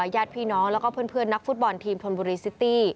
ญาติพี่น้องแล้วก็เพื่อนนักฟุตบอลทีมชนบุรีซิตี้